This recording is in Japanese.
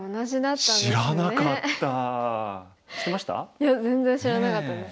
いや全然知らなかったです。